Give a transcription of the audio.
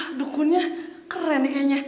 aduh dukunnya keren nih kayaknya